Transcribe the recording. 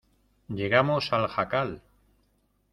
llegamos al jacal.